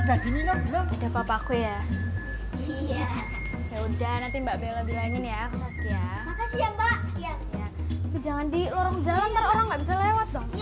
ya udah nanti mbak bela bilangin ya makasih ya mbak jalan di lorong jalan orang orang bisa lewat